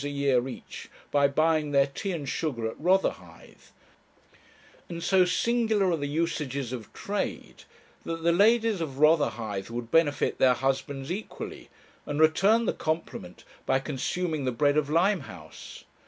a year each, by buying their tea and sugar at Rotherhithe; and so singular are the usages of trade, that the ladies of Rotherhithe would benefit their husbands equally, and return the compliment, by consuming the bread of Limehouse.